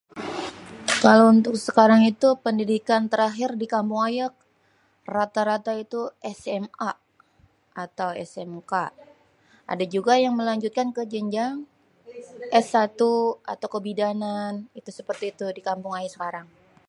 kalo untuk sekarang itu pendidikan terahir di kampung ayé, rata-rata itu SMA, atau SMK, adé juga yang melanjutkan ké jenjang, S1 atau kebidanan itu seperti itu di kampung ayé sekarang.